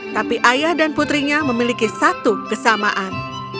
tapi ayah dan putrinya memiliki satu kesamaan